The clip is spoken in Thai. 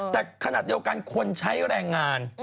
แต่ขณะเดียวกันคนใช้แรงงาน